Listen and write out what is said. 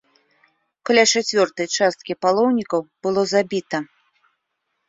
Каля чацвёртай часткі паломнікаў было забіта.